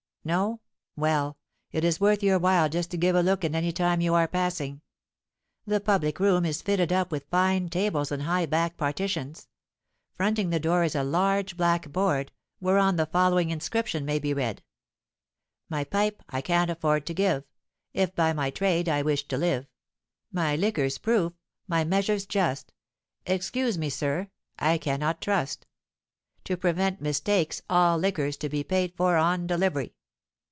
No. Well—it is worth your while just to give a look in any time you are passing. The public room is fitted up with fine tables and high back partitions. Fronting the door is a large black board, whereon the following inscription may be read:— My pipe I can't afford to give, If by my trade I wish to live; My liquor's proof, my measure's just: Excuse me, sir, I cannot trust. 'To prevent MISTAKES all liquors to be paid for on delivery!'